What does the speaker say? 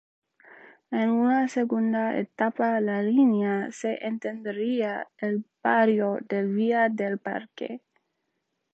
En una segunda etapa la línea se extendería al barrio de Villa del Parque.